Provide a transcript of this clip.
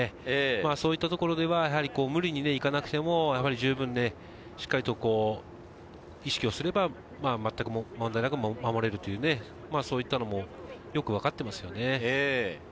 そういう点で無理に行かなくても、しっかりと意識すればまったく問題なく守れるという、そういったのもよく分かってますね。